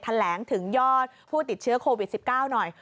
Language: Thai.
แถลงถึงยอดผู้ติดเชื้อโควิด๑๙หน่อย